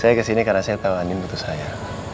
saya kesini karena saya tau andien butuh saya